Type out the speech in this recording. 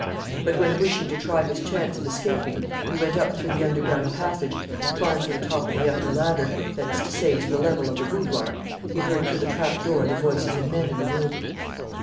But when, wishing to try his chance of escaping, he went up through the underground passage and climbed to the top of the upper ladder that is to say, to the level of the boudoir he heard through the trapdoor the voices of men in the room.